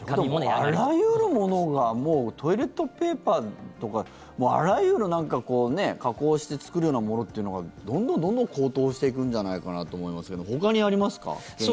あらゆるものがもうトイレットペーパーとかあらゆる、なんかこう加工して作るようなものがどんどん高騰していくんじゃないかなと思いますけどもほかにありますか？